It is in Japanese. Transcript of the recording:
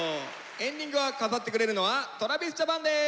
エンディングを飾ってくれるのはＴｒａｖｉｓＪａｐａｎです！